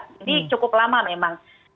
jadi cukup lama memang